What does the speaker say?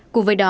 cùng với đó